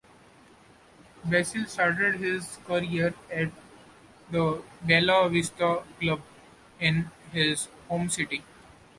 Basile started his playing career at the "Bella Vista" club in his home city.